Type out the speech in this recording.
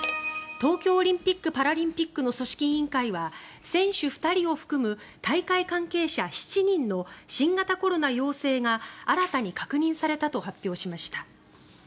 東京オリンピック・パラリンピックの組織委員会は選手２人を含む大会関係者７人の新型コロナ陽性が新たに確認されたと発表しました。